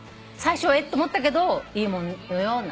最初はえっ！？と思ったけどいいものよ